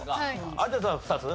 有田さんは２つ？